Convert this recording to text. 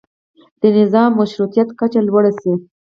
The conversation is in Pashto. د نظام مشروطیت کچه لوړه شي.